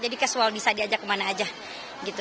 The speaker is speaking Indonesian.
jadi casual bisa diajak kemana aja gitu